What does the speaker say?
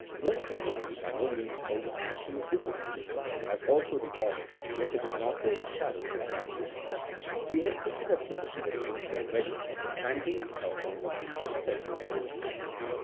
Most people, too, by no means hold the ash and the fig in disesteem, as also the olive, if it is not overshadowed with branches. We have treated at sufficient length already of the planting and culture of these several trees.